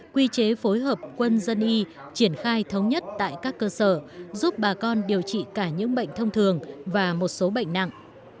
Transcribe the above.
quy chế phối hợp quân dân y triển khai thống nhất tại các cơ sở giúp bà con điều trị cả những bệnh thông thường và một số bệnh nặng